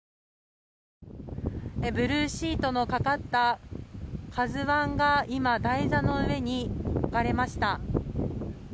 ブルーシートのかかった「ＫＡＺＵ１」が今、台座の上に置かれました。